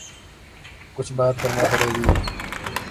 کچھ بات کرنا پڑے گی۔